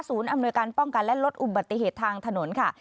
อำนวยการป้องกันและลดอุบัติเหตุทางถนนค่ะ